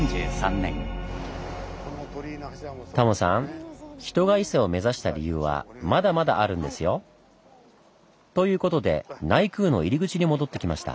タモさん人が伊勢を目指した理由はまだまだあるんですよ。ということで内宮の入り口に戻ってきました。